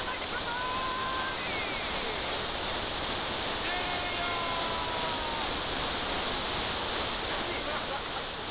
いや難しい！